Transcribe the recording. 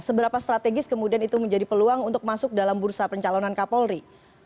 seberapa strategis kemudian itu menjadi peluang untuk masuk dalam bursa pencalonan kapolri